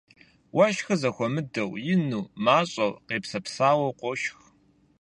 Уэшхыр зэхуэмыдэу, ину, мащӀэу, къепсэпсауэу, къошх.